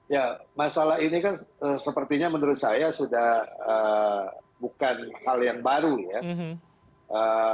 ya masalah ini kan sepertinya menurut saya sudah bukan hal yang baru ya